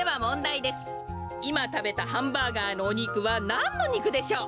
いまたべたハンバーガーのおにくはなんのにくでしょう？